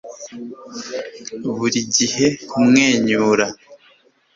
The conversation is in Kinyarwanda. buri gihe kumwenyura